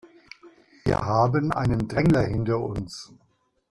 Wir haben einen Drängler hinter uns.